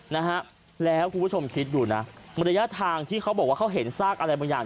นะฮะแล้วคุณผู้ชมคิดดูนะระยะทางที่เขาบอกว่าเขาเห็นซากอะไรบางอย่าง